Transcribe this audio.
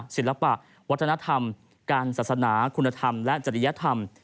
ศิลปะวัฒนธรรมการศาสนาคุณธรรมและจริยธรรม